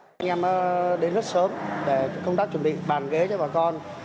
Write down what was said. anh em đến rất sớm để công tác chuẩn bị bàn ghế cho bà con